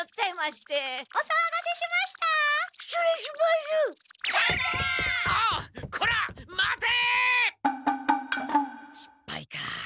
しっぱいか。